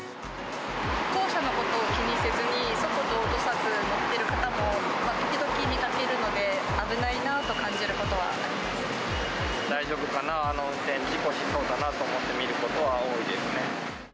歩行者のことを気にせずに速度落とさず乗ってる方も時々見かけるので、危ないなと感じること大丈夫かな、あの運転、事故しそうだなと思って見ることは多いですね。